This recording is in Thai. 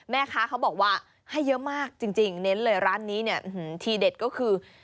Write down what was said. แม่ค้าเขาบอกว่าให้เยอะมากจริงเน้นเลยร้านนี้เนี่ยทีเด็ดก็คือ